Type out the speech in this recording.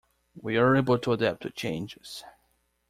We are able to adapt to changes.